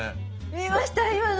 見ました今の？